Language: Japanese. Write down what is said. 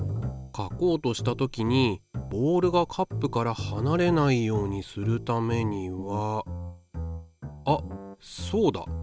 書こうとした時にボールがカップからはなれないようにするためにはあっそうだ。